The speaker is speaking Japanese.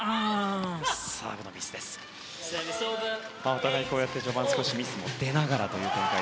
お互い、こうして序盤ミスも出ながらという展開。